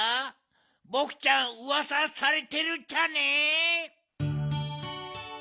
ボクちゃんうわさされてるっちゃね。